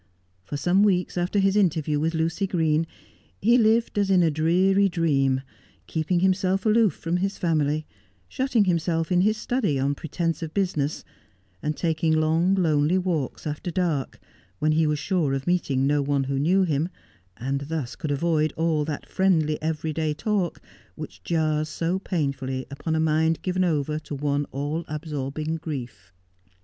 For some weeks after his interview with Lucy Green he lived as in a dreary dream, keeping himself aloof from bis family, shutting himself in his study on pretence of business, and taking long, lonely walks after dark, when he was sure of meeting no one who knew him, and thus could avoid all that friendly every day talk which jars so painfully upon a mind given over to one all absorbing grief.